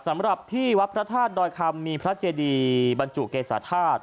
สำหรับที่วัดพระธาตุดอยคำมีพระเจดีบรรจุเกษาธาตุ